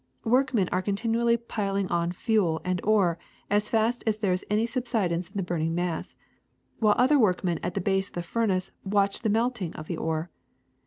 Workmen are continually piling on fuel and ore as fast as there is any subsidence in the burning mass, while other workmen at the base of the furnace watch the melting of the ore.